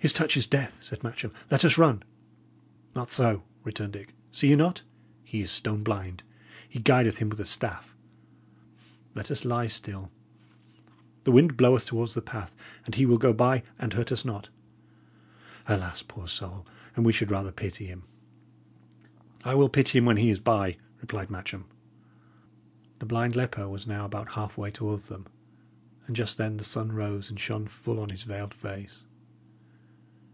"His touch is death," said Matcham. "Let us run." "Not so," returned Dick. "See ye not? he is stone blind. He guideth him with a staff. Let us lie still; the wind bloweth towards the path, and he will go by and hurt us not. Alas, poor soul, and we should rather pity him!" "I will pity him when he is by," replied Matcham. The blind leper was now about halfway towards them, and just then the sun rose and shone full on his veiled face.